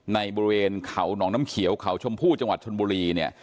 บริเวณเขาหนองน้ำเขียวเขาชมพู่จังหวัดชนบุรีเนี่ย